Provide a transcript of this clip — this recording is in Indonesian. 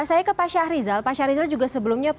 saya ke pak syahrizal pak syarizal juga sebelumnya